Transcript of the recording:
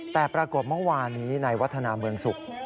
แต่ปรากฏเมื่อวานนี้ในวัฒนาเมืองสุข